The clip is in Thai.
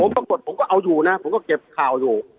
ผมก็เอาอยู่เก็บข่าวอยู่